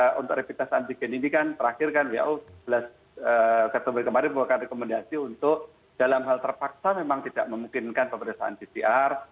sementara untuk revitas antigen ini kan terakhir kan who sebelas september kemarin membuka rekomendasi untuk dalam hal terpaksa memang tidak memungkinkan pemerdosaan pcr